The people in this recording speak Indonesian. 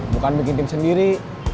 bukan bikin tim sendiri